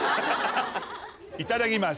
いただきます。